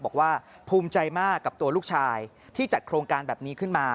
บอกว่าภูมิใจมากกับตัวลูกชายที่จัดโครงการแบบนี้ขึ้นมา